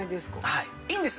はいいいんです。